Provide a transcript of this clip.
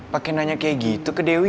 pakai nanya kayak gitu ke dewi